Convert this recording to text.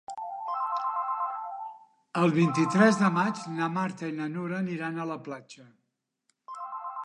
El vint-i-tres de maig na Marta i na Nura aniran a la platja.